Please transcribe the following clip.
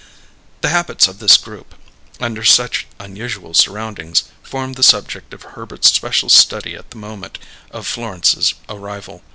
The habits of this group, under such unusual surroundings, formed the subject of Herbert's special study at the moment of Florence's arrival.